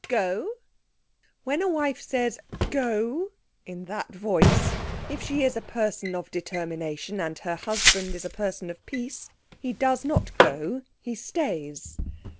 "Go?" When a wife says "Go?" in that voice, if she is a person of determination and her husband is a person of peace, he does not go; he stays.